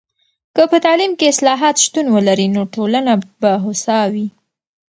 که په تعلیم کې اصلاحات شتون ولري، نو ټولنه به هوسا وي.